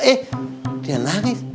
eh dia nangis